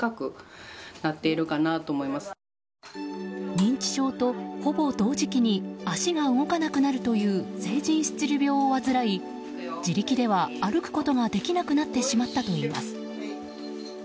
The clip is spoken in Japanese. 認知症とほぼ同時期に足が動かなくなるという成人スチル病を患い自力では歩くことができなくなってしまったといいます。